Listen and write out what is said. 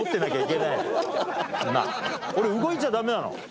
俺動いちゃダメなの？